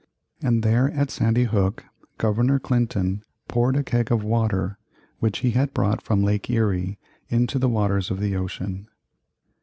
And there at Sandy Hook, Governor Clinton poured a keg of water which he had brought from Lake Erie into the waters of the ocean.